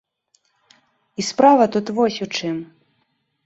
І справа тут вось у чым.